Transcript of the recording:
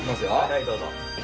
はいどうぞ。